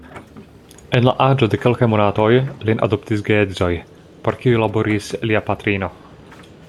En la aĝo de kelkaj monatoj lin adoptis geedzoj, por kiuj laboris lia patrino.